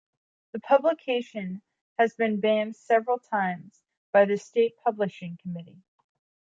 The publication has been banned several times by the State Publishing Committee.